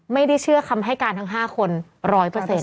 ไม่ได้เชื่อคำให้การทั้ง๕คนร้อยเปอร์เซ็นต์